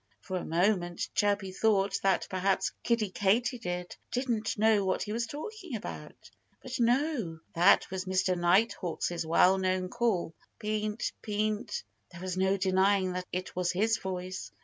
For a moment Chirpy thought that perhaps Kiddie Katydid didn't know what he was talking about. But no! There was Mr. Nighthawk's well known call, Peent! Peent! There was no denying that it was his voice.